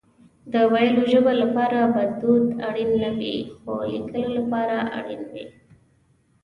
د ويلو ژبه لپاره ژبدود اړين نه وي خو ليکلو لپاره اړين وي